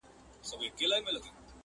مستغني هم له پاچا هم له وزیر یم.!